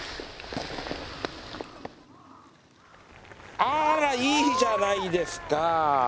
あらいいじゃないですか！